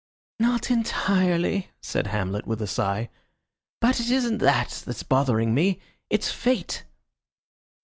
"Not entirely," said Hamlet, with a sigh; "but it isn't that that's bothering me. It's Fate."